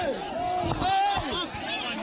พระบุว่าจะมารับคนให้เดินทางเข้าไปในวัดพระธรรมกาลนะคะ